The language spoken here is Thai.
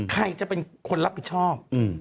ใครจะเป็นคนรับผิดชอบ